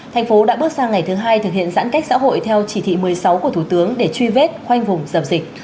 thành phố đã bước sang ngày thứ hai thực hiện giãn cách xã hội theo chỉ thị một mươi sáu của thủ tướng để truy vết khoanh vùng dập dịch